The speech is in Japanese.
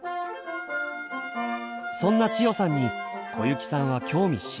そんな千代さんに小雪さんは興味津々。